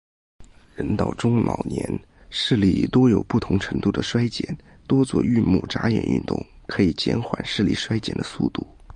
人到中老年，视力多有不同程度地衰减，多做运目眨眼运动可以减缓视力衰减的速度。